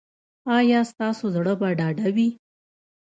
ایا ستاسو زړه به ډاډه وي؟